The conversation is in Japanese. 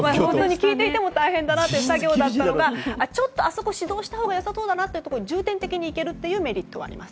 聞いていても大変な作業だったのがあそこを指導したほうがよさそうだなというところに重点的に行けるメリットもあります。